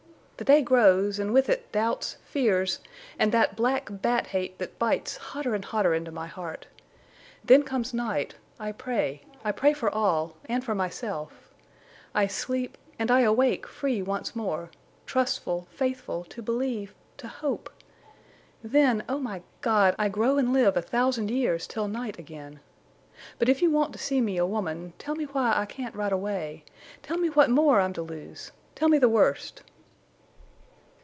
The day grows, and with it doubts, fears, and that black bat hate that bites hotter and hotter into my heart. Then comes night—I pray—I pray for all, and for myself—I sleep—and I awake free once more, trustful, faithful, to believe—to hope! Then, O my God! I grow and live a thousand years till night again!... But if you want to see me a woman, tell me why I can't ride away—tell me what more I'm to lose—tell me the worst."